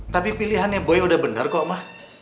tapi pilihannya boy udah bener kok ma